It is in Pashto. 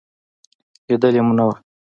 لېدلې مو نه وه.